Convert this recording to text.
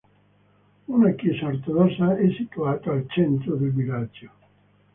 Una chiesa ortodossa è situata al centro del villaggio.